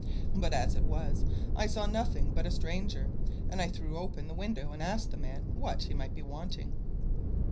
But as it was, I saw nothing but a stranger, and I threw open the window and asked the man what he might be wanting.